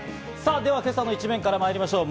では今朝の一面からまいりましょう。